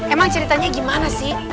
emang ceritanya gimana sih